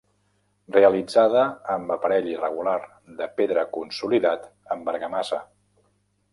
Realitzada amb aparell irregular de pedra consolidat amb argamassa.